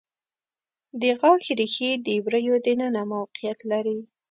د غاښ ریښې د وریو د ننه موقعیت لري.